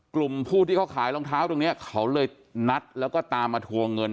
กลุ่มผู้ที่เขาขายรองเท้าตรงนี้เขาเลยนัดแล้วก็ตามมาทวงเงิน